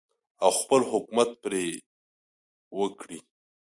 او خپل حکومت پرې وکړي.